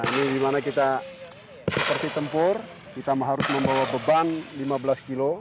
ini dimana kita seperti tempur kita harus membawa beban lima belas kg